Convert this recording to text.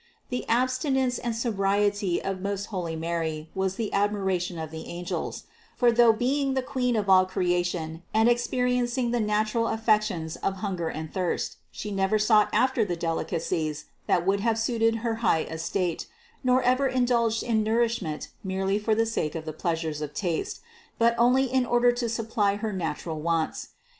588. The abstinence and sobriety of most holy Mary was the admiration of the angels; for though being the Queen of all creation and experiencing the natural affec tions of hunger and thirst, She never sought after the delicacies that would have suited her high estate, nor ever indulged in nourishment merely for the sake of the pleas ures of taste, but only in order to supply her natural wants.